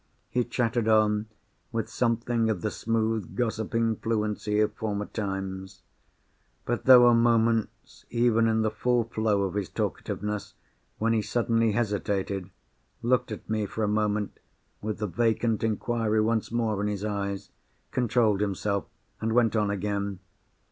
He chattered on, with something of the smooth gossiping fluency of former times. But there were moments, even in the full flow of his talkativeness, when he suddenly hesitated—looked at me for a moment with the vacant inquiry once more in his eyes—controlled himself—and went on again.